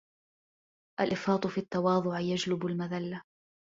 الإفراط في التواضع يجلب المذلة